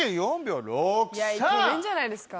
いけるんじゃないですか？